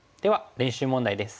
練習問題です。